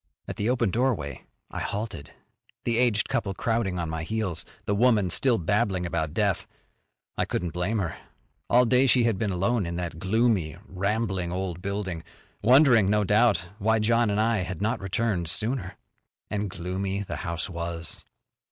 At the open doorway I halted, the aged couple crowding on my heels, the woman still babbling about death. I couldn't blame her. All day she had been alone in that gloomy, rambling old building, wondering, no doubt, why John and I had not returned sooner. And gloomy the house was.